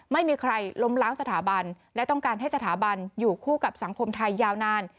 ไม่มีใครล้มล้างสถาบันและต้องการให้สถาบันอยู่คู่กับสังคมไทยยาวนาน